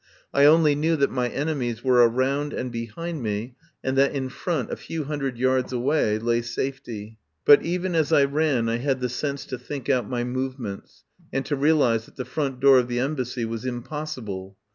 I only knew that my enemies were around and behind me, and that in front, a few hundred yards away, lay safety. But even as I ran I had the sense to think out my movements, and to realise that the front door of the Embassy was impossible.